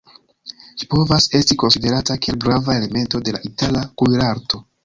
Ĝi povas esti konsiderata kiel grava elemento de la Itala kuirarto.